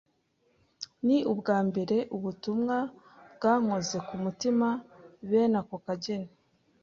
Ni ubwa mbere ubutumwa bwankoze ku mutima bene ako kageni.